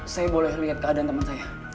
saya boleh lihat keadaan teman saya